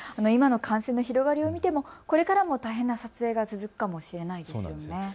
今の感染の広がりを見てもこれからも大変な撮影が続くかもしれないですね。